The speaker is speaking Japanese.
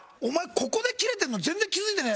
ここで切れてるの全然気付いてねえな！